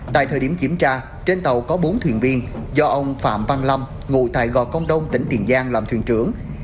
tại thời điểm kiểm tra trên tàu có bốn thuyền viên do ông phạm văn lâm ngụ tại gò công đông tỉnh tiền giang làm thuyền trưởng